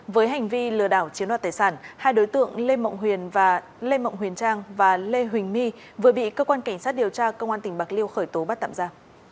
với hành vi lừa đảo chiến đoạt tài sản hai đối tượng lê mộng huyền trang và lê huỳnh my vừa bị cơ quan cảnh sát điều tra công an tỉnh bạc liêu khởi tố bắt tạm ra